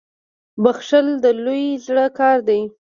• بخښل د لوی زړه کار دی.